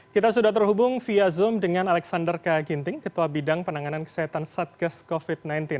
kita sudah terhubung via zoom dengan alexander k ginting ketua bidang penanganan kesehatan satgas covid sembilan belas